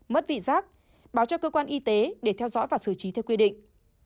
mất vị giác báo cho cơ quan y tế để theo dõi và xử trí theo quy định